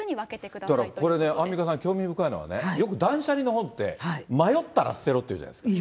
だから、これ、アンミカさん、興味深いのはね、よく、断捨離の本って、迷ったら捨てろと言うじゃないですか。